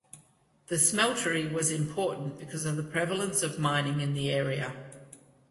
The smeltery was important because of the prevalence of mining in the area.